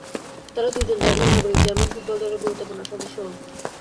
তাঁরা দুজন জার্মান নাগরিক, জার্মান ফুটবল দলের গুরুত্বপূর্ণ সদস্যও।